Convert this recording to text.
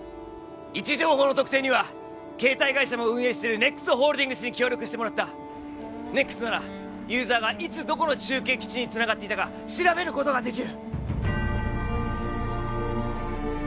位置情報の特定には携帯会社も運営してる ＮＥＸ ホールディングスに協力してもらった ＮＥＸ ならユーザーがいつどこの中継基地につながっていたか調べることができる